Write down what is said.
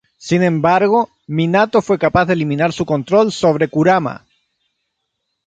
Sin embargo, Minato fue capaz de eliminar su control sobre Kurama.